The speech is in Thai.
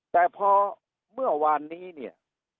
แต่พอเมื่อวานนี้เนี่ย